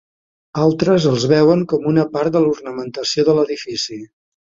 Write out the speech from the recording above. Altres els veuen com una part de l'ornamentació de l'edifici.